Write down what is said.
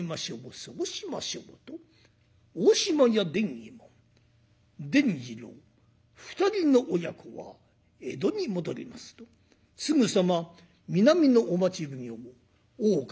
そうしましょう」と大島屋伝右衛門伝次郎二人の親子は江戸に戻りますとすぐさま南のお町奉行大岡